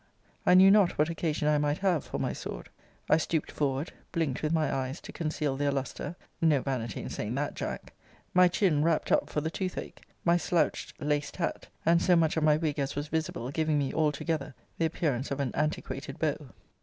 I knew not what occasion I might have for my sword. I stooped forward; blinked with my eyes to conceal their lustre (no vanity in saying that, Jack); my chin wrapt up for the tooth ache; my slouched, laced hat, and so much of my wig as was visible, giving me, all together, the appearance of an antiquated beau.